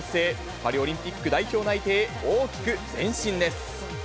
パリオリンピック代表内定へ大きく前進です。